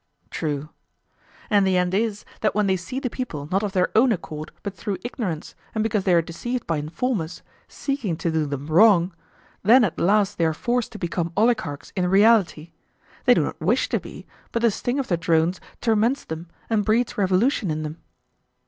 True. And the end is that when they see the people, not of their own accord, but through ignorance, and because they are deceived by informers, seeking to do them wrong, then at last they are forced to become oligarchs in reality; they do not wish to be, but the sting of the drones torments them and breeds revolution in them.